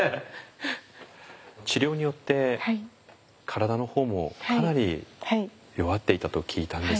治療によって体の方もかなり弱っていたと聞いたんですけれども。